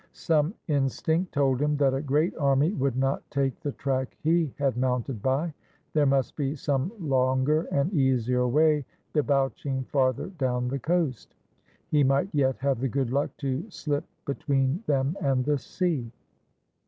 Some instinct told him that a great army would not take the track he had mounted by. There must be some longer and easier way debouching farther down the coast. He might yet have the good luck to slip between them and the sea.